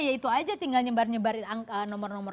itu saja tinggal menyebar nyebarin nomor nomor telpon